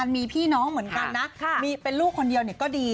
มีพี่น้องเหมือนกันนะมีเป็นลูกคนเดียวก็ดี